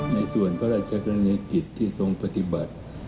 ในส่วนพระราชกรณียกิจที่ทรงปฏิบัติ